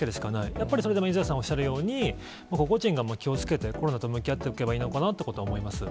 やっぱりそれでも三屋さんおっしゃるように、個々人が気を付けて、コロナと向き合っていけばいいのかなということは思います。